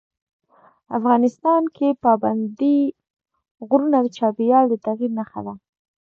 افغانستان کې پابندی غرونه د چاپېریال د تغیر نښه ده.